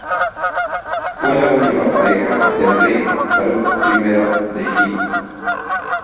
Fue la última pareja del rey Faruq I de Egipto.